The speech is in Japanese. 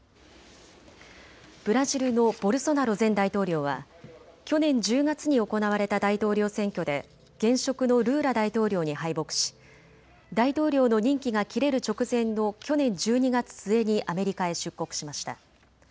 ブラジルのボルソナロ前大統領は去年１０月に行われた大統領選挙で現職のルーラ大統領に敗北し大統領の任期が切れる直前の去年１２月末にアメリカへ出国しました。